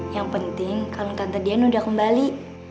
yang penting kalung tante dian udah kembali